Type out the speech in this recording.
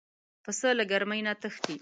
پسه له ګرمۍ نه تښتي.